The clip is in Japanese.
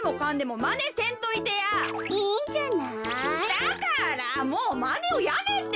だからもうまねをやめって。